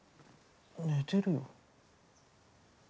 寝てるよ。